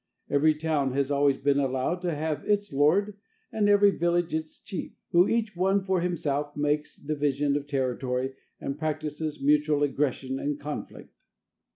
Every town has always been allowed to have its lord, and every village its chief, who, each one for himself, makes division of territory and practises mutual aggression and conflict.